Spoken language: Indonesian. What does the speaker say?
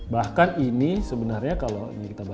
bahkan ini sebenarnya kalau